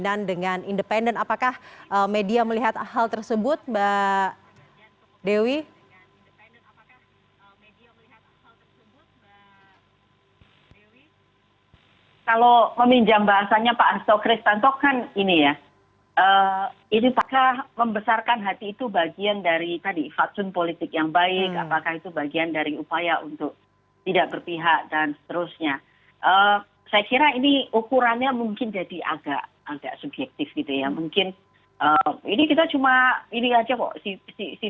apakah media melihat hal tersebut mbak dewi